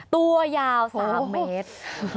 ตัวยาว๓เมตร